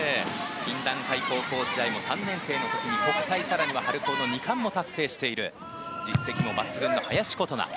高校時代にも３年生の時には国体春高２冠も達成している実績抜群の林琴奈。